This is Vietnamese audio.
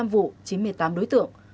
sáu mươi năm vụ chín mươi tám đối tượng